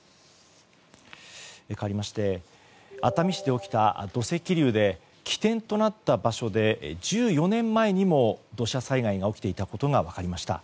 かわりまして熱海市で起きた土石流で起点となった場所で１４年前にも土砂災害が起きていたことが分かりました。